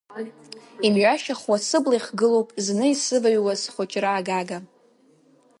Имҩашьахуа сыбла ихгылоуп, зны исываҩуаз схәыҷра агага.